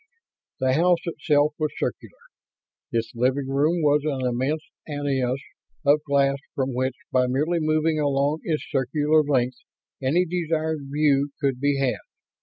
The house itself was circular. Its living room was an immense annulus of glass from which, by merely moving along its circular length, any desired view could be had.